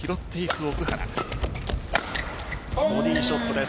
ボディーショットです。